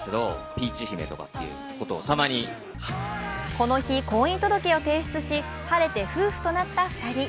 この日、婚姻届を提出し、晴れて夫婦となった２人。